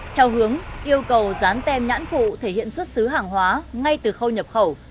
theo hướng yêu cầu dán tem nhãn phụ thể hiện xuất xứ hàng hóa ngay từ khâu nhập khẩu